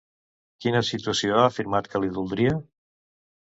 Quina situació ha afirmat que li doldria?